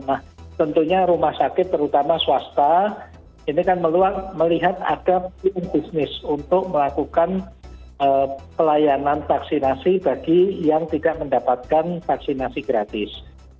nah tentunya rumah sakit terutama swasta ini kan melihat ada bisnis untuk melakukan pelayanan vaksinasi bagi yang tidak mendapatkan vaksinasi gratis